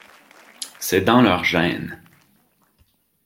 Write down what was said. C’est dans leurs gènes.